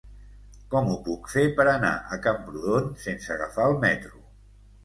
Com ho puc fer per anar a Camprodon sense agafar el metro?